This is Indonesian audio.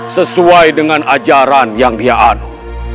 sesuai dengan ajaran yang dia anu